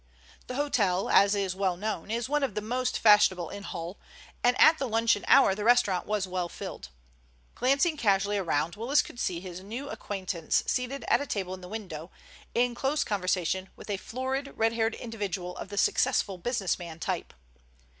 The hotel, as is well known, is one of the most fashionable in Hull, and at the luncheon hour the restaurant was well filled. Glancing casually round, Willis could see his new acquaintance seated at a table in the window, in close conversation with a florid, red haired individual of the successful business man type.